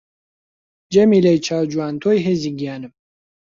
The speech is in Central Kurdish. جەمیلەی چاو جوان تۆی هێزی گیانم